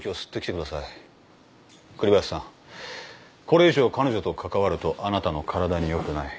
これ以上彼女と関わるとあなたの体によくない。